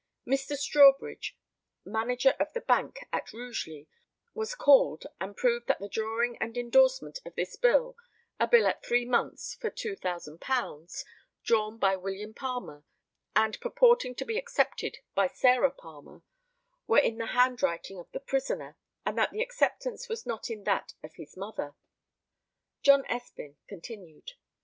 MR. STRAWBRIDGE, manager of the bank at Rugeley, was called and proved that the drawing and endorsement of this bill a bill at three months for £2,000, drawn by William Palmer, and purporting to be accepted by Sarah Palmer were in the handwriting of the prisoner, and that the acceptance was not in that of his mother. JOHN ESPIN continued.